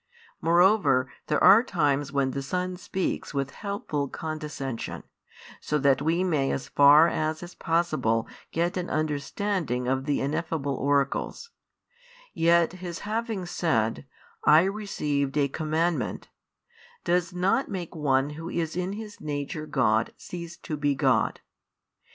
Moreover there are times when the Son speaks with helpful condescension, so that we may as far as is possible get an understanding of the ineffable oracles: yet His having said: I received a commandment, does not make One Who is in His Nature God cease to be God.